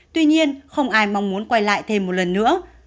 tuy nhiên không ai mong muốn quay lại thêm một lần nữa